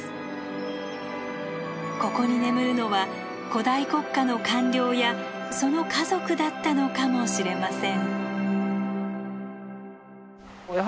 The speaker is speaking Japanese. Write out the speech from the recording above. ここに眠るのは古代国家の官僚やその家族だったのかもしれません。